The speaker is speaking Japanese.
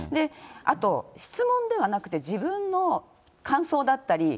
あと、質問ではなくて、自分の感想だったり。